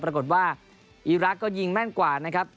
ปรากฏว่าอีรักษ์ก็ยิงแม่นกว่านะครับ